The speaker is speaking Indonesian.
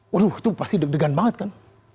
waduh itu pasti deg degan banget kan